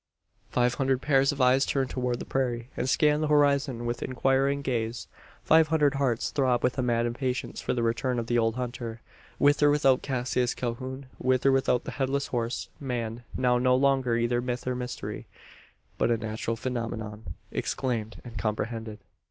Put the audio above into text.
Five hundred pairs of eyes turn towards the prairie, and scan the horizon with inquiring gaze. Five hundred hearts throb with a mad impatience for the return of the old hunter with or without Cassius Calhoun with or without the Headless Horse, man now no longer either myth or mystery, but a natural phenomenon, explained and comprehended.